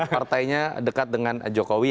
partainya dekat dengan jokowi